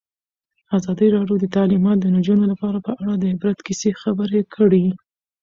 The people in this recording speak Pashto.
ازادي راډیو د تعلیمات د نجونو لپاره په اړه د عبرت کیسې خبر کړي.